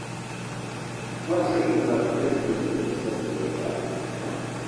Va seguir durant tres dies més sense descans.